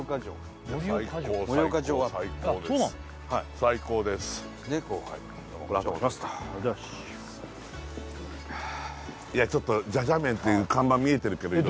最高ですいやちょっとじゃじゃ麺っていう看板見えてるけど